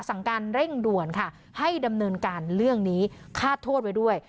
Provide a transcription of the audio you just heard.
สั่งการเร่งด่วนค่ะให้ดำเนินการเรื่องนี้คาดโทษไว้ด้วย